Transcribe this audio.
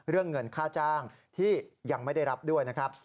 เรื่องเงินค่าจ้างที่ยังไม่ได้รับด้วยนะครับ